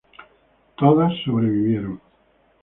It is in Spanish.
Todas sobrevivieron.